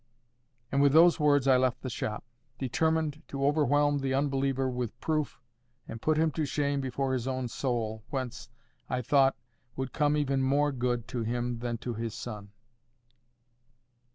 And with those words I left the shop, determined to overwhelm the unbeliever with proof, and put him to shame before his own soul, whence, I thought, would come even more good to him than to his son.